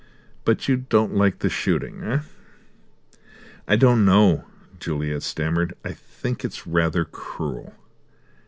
"But you don't like the shooting, eh?" "I don't know," Juliet stammered. "I think it's rather cruel."